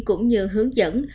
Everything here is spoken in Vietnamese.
cũng như hướng dẫn